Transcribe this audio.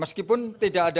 meskipun tidak ada